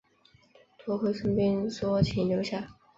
多亏孙膑说情留下。